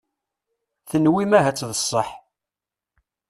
Tenwim ahat d sseḥ.